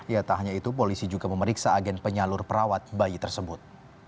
ya tak hanya itu polisi juga memeriksa agen penyalur perawat bayi tersebut